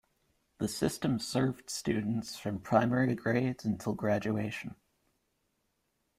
The system served students from primary grades until graduation.